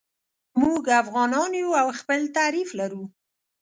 موږ افغانان یو او خپل تعریف لرو.